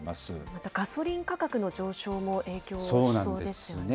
またガソリン価格の上昇も、影響しそうですよね。